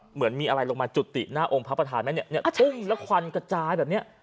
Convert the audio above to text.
เหมือนมีอะไรลงมาจุติหน้าองค์พระประธานไหมเนี่ยพุ่งแล้วควันกระจายแบบเนี้ย